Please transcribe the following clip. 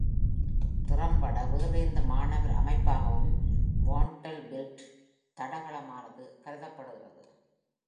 திறம்பட, வேறு எந்த மாணவர் அமைப்பாகவும் வாண்டர்பில்ட் தடகளமானது கருதப்படுகிறது.